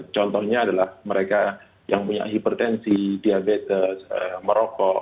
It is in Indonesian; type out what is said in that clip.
contohnya adalah mereka yang punya hipertensi diabetes merokok